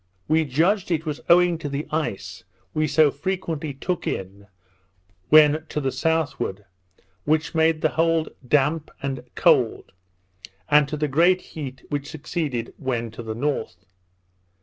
We judged it was owing to the ice we so frequently took in when to the southward, which made the hold damp and cold, and to the great heat which succeeded when to the north.